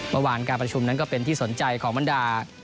เมื่อวานการประชุมนั้นก็เป็นที่สนใจของบรรดา